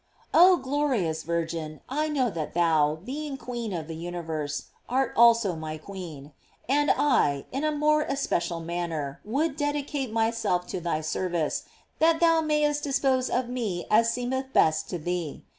Oh glorious Virgin, I know that thou, being queen of the universe, art also my queen; and I, in a more especial manner, would dedicate my self to thy service; that thou mayest dispose of me as seemeth best to thee.